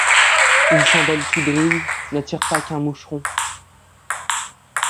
Une chandelle qui brille n'attire pas qu'un moucheron.